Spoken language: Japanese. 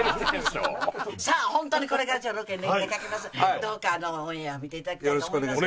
「ハハハハ！」どうかオンエア見ていただきたいと思います。